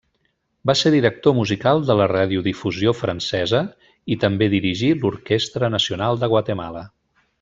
Va ser director musical de la Radiodifusió Francesa i també dirigí l'Orquestra Nacional de Guatemala.